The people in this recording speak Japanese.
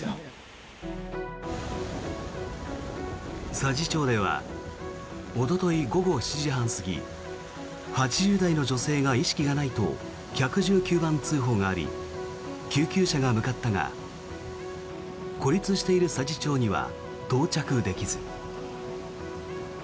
佐治町ではおととい午後７時半過ぎ８０代の女性が意識がないと１１９番通報があり救急車が向かったが孤立している佐治町には到着できず。